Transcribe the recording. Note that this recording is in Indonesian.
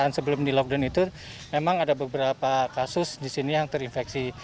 dan sebelum di lockdown itu memang ada beberapa kasus di sini yang terinfeksi